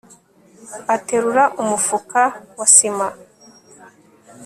aterura umufuka wa sima